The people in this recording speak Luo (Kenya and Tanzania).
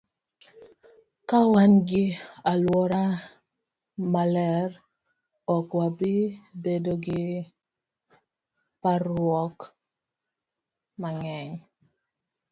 Ka wan gi alwora maler, ok wabi bedo gi parruok mang'eny.